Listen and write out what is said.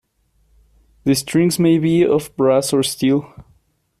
The strings may be of brass or steel.